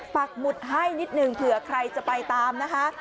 ปักหมุดให้นิดหนึ่งเผื่อใครจะไปตามนะคะ